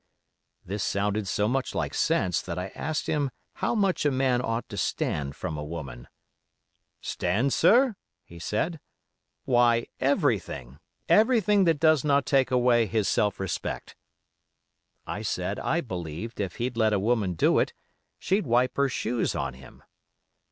"This sounded so much like sense that I asked him how much a man ought to stand from a woman. 'Stand, sir?' he said; 'why, everything, everything that does not take away his self respect.' I said I believed if he'd let a woman do it she'd wipe her shoes on him.